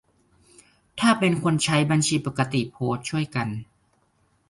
ถ้าเป็นคนใช้บัญชีปกติโพสต์ช่วยกัน